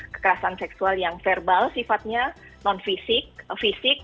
kekerasan seksual yang verbal sifatnya non fisik fisik